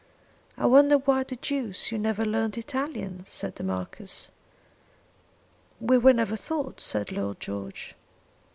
"I wonder why the deuce you never learned Italian," said the Marquis. "We never were taught," said Lord George.